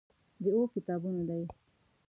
دا اووه کتابونه دي.